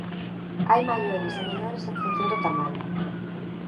Hai maiores e menores en función do tamaño.